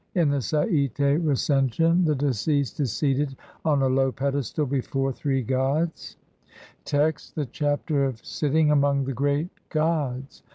In the SaTte Recension the deceased is seated on a low pedestal before three gods (see Lepsius, op. cit., Bl. 38.) Text : (1) The Chapter of sitting among the great GODS.